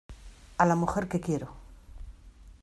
a la mujer que quiero.